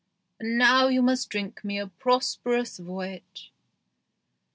And now you must drink me a prosperous voyage."